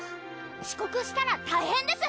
遅刻したら大変です！